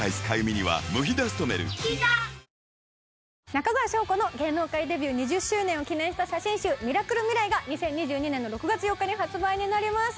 中川翔子の芸能界デビュー２０周年を記念した写真集『ミラクルミライ』が２０２２年６月８日に発売になります。